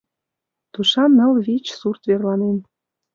Тушан ныл-вич сурт верланен.